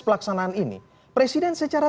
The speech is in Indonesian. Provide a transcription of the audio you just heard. pelaksanaan ini presiden secara